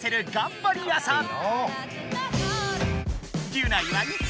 ギュナイはおぉ！